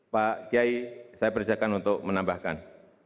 pak gey saya berjanjikan untuk menambahkan